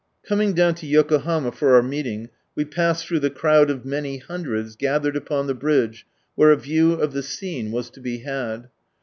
Coming down to Yokohama for our meeting, we passed through the crowd of many hundreds gathered upon the bridge where a view of the scene was to be had.